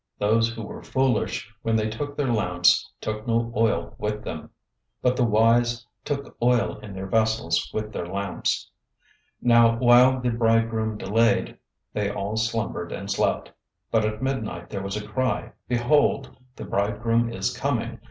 025:003 Those who were foolish, when they took their lamps, took no oil with them, 025:004 but the wise took oil in their vessels with their lamps. 025:005 Now while the bridegroom delayed, they all slumbered and slept. 025:006 But at midnight there was a cry, 'Behold! The bridegroom is coming!